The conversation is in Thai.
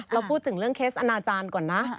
เราพูดถึงเรื่องเคสอนาจารย์ก่อนนะ